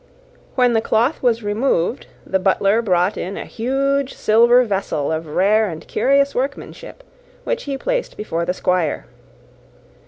When the cloth was removed, the butler brought in a huge silver vessel of rare and curious workmanship, which he placed before the Squire.